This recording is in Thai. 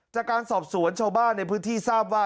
จากการสอบสวนชาวบ้านในพื้นที่ทราบว่า